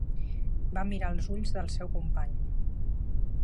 Va mirar als ulls del seu company.